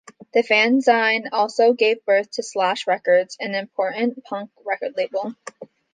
The fanzine also gave birth to Slash Records, an important punk record label.